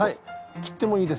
切ってもいいです。